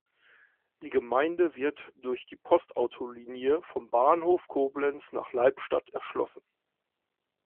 Die Gemeinde wird durch die Postautolinie vom Bahnhof Koblenz nach Leibstadt erschlossen.